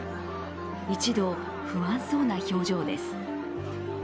一同、不安そうな表情です。